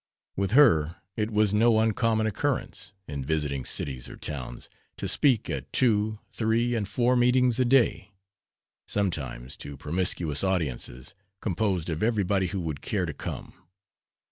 With her it was no uncommon occurrence, in visiting cities or towns, to speak at two, three, and four meetings a day; sometimes to promiscuous audiences composed of everybody who would care to come.